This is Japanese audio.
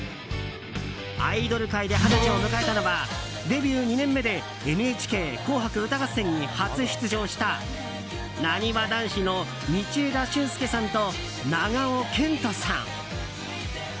アイドル界で二十歳を迎えたのはデビュー２年目で「ＮＨＫ紅白歌合戦」に初出場したなにわ男子の道枝駿佑さんと長尾謙杜さん。